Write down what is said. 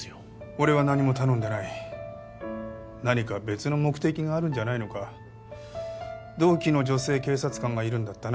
俺は何も頼んでない何か別の目的があるんじゃないのか同期の女性警察官がいるんだったな